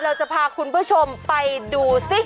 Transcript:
เราจะพาคุณผู้ชมไปดูสิ